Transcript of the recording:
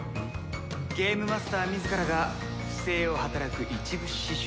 ゲームマスター自らが不正を働く一部始終を。